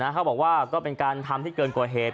เขาบอกว่าก็เป็นการทำที่เกินกว่าเหตุ